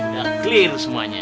ya clear semuanya